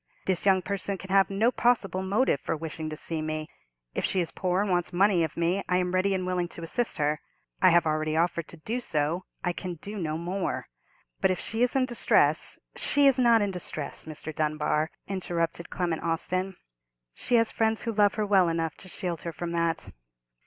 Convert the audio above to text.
This young person can have no possible motive for wishing to see me. If she is poor and wants money of me, I am ready and willing to assist her. I have already offered to do so—I can do no more. But if she is in distress——" "She is not in distress, Mr. Dunbar," interrupted Clement Austin. "She has friends who love her well enough to shield her from that."